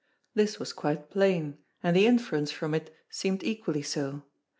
This was quite plain, and the inference from it seemed equally so.